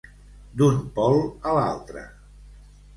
D'un pol a l'altre.